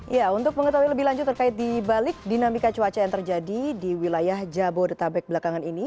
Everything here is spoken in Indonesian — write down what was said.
ya untuk mengetahui lebih lanjut terkait di balik dinamika cuaca yang terjadi di wilayah jabodetabek belakangan ini